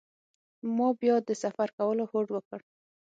ما بیا د سفر کولو هوډ وکړ.